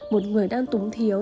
một người đang túng thiếu